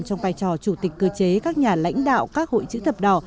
trong vai trò chủ tịch cơ chế các nhà lãnh đạo các hội chữ thập đỏ